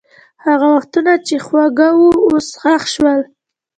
هغه وختونه چې خوږ وو، اوس ښخ شول.